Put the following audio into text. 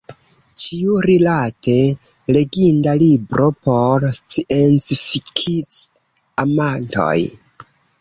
Ĉiurilate: leginda libro, por sciencfikci-amantoj.